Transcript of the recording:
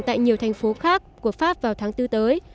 tại nhiều thành phố khác của pháp vào tháng bốn tới